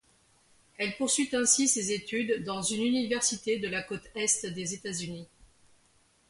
Elle poursuit ainsi ses études dans une université de la côte Est des États-Unis.